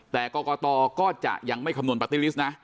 แต่กรกตก็จะยังไม่คำนวณปาร์ตี้ลิสต์นะ